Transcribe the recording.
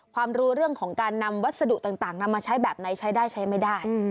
รู้เรื่องของการนำวัสดุต่างนำมาใช้แบบไหนใช้ได้ใช้ไม่ได้